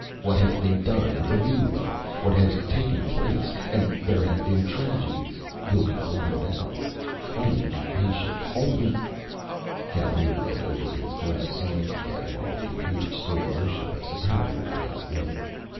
what has been done in delirium! What has taken place and there have been tragedies will be blotted out. Only be patient now! Only...._" Calhoun went over his glass slides again while the computer stood motionless, apparently without life.